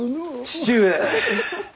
父上。